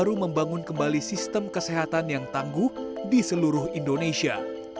baru membangun kembali sistem kesehatan yang tangguh di seluruh indonesia